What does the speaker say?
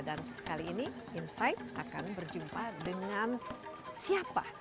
dan kali ini insight akan berjumpa dengan siapa